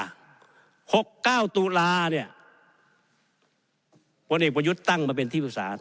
หกเก้าตุลาเนี่ยพลเอกประยุทธ์ตั้งมาเป็นที่ปรึกษา